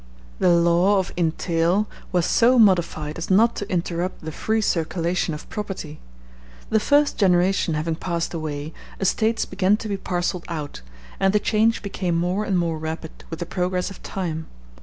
The law of entail was so modified as not to interrupt the free circulation of property. *d The first generation having passed away, estates began to be parcelled out, and the change became more and more rapid with the progress of time.